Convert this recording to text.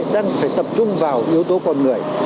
đang phải tập trung vào yếu tố con người